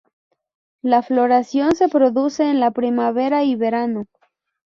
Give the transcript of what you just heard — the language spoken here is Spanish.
La floración se produce en la primavera y verano.